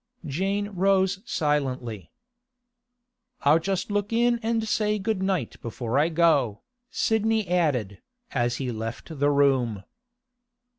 Jane rose silently. 'I'll just look in and say good night before I go,' Sidney added, as he left the room.